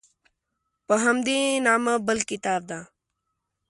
په همدې نامه بل کتاب ده.